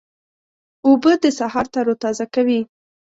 اوبه د سهار تروتازه کوي.